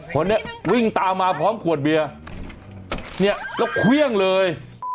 คนนี้วิ่งตามมาพร้อมขวดเบียร์เนี่ยแล้วเครื่องเลย